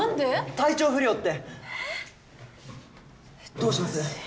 体調不良ってえっどうします？